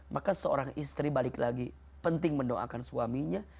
maka seorang istri balik lagi penting mendoakan suaminya